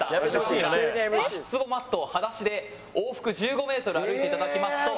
こちら足つぼマットを裸足で往復１５メートル歩いていただきますと。